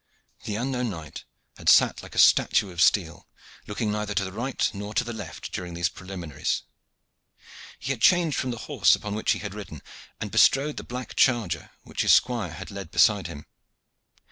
The unknown knight had sat like a statue of steel, looking neither to the right nor to the left during these preliminaries. He had changed from the horse upon which he had ridden, and bestrode the black charger which his squire had led beside him.